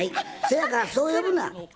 せやからそう呼ぶな。